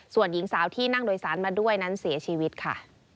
ส่วนหญิงสาวที่นั่งโดยสารมาด้วยนั้นเสียชีวิตค่ะ